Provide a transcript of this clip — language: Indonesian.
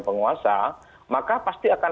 penguasa maka pasti akan